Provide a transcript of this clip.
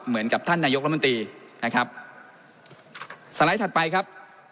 เหมือนกับท่านนายกรมนตรีนะครับสไลด์ถัดไปครับ